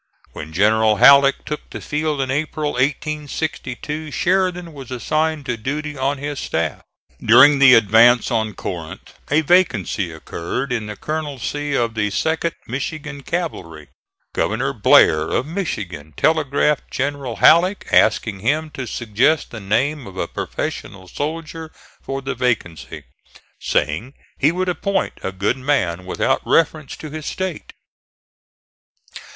When General Halleck took the field in April, 1862, Sheridan was assigned to duty on his staff. During the advance on Corinth a vacancy occurred in the colonelcy of the 2d Michigan cavalry. Governor Blair, of Michigan, telegraphed General Halleck asking him to suggest the name of a professional soldier for the vacancy, saying he would appoint a good man without reference to his State.